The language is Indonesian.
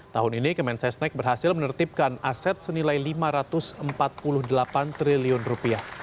tahun ini kemen sesnek berhasil menertibkan aset senilai lima ratus empat puluh delapan triliun rupiah